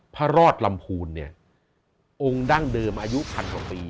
พระรอดลำพูนเนี่ยองค์ดั้งเดิมอายุพันกว่าปี